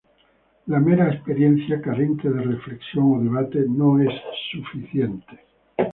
La mera experiencia carente de reflexión o debate no es suficiente.